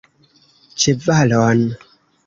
Ĉevalon!